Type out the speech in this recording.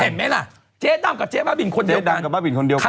เห็นไหมล่ะเจ๊ดำกับเจ๊บ้าบินคนเดียวเจ๊ดำกับบ้าบินคนเดียวกัน